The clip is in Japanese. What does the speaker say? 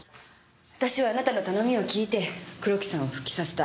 私はあなたの頼みを聞いて黒木さんを復帰させた。